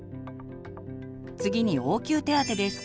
次に応急手当てです。